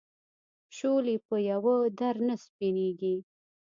شولې په یوه در نه سپینېږي.